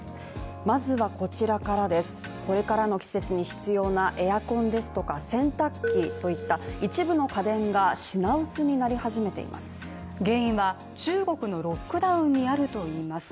これからの季節に必要なエアコンですとか洗濯機といった一部の家電が品薄になり始めています。